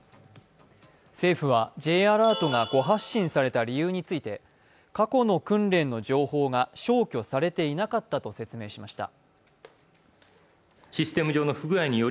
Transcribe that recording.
政府はＪアラートが誤発信された理由について過去の訓練の情報が消去されていなかったと説明しました。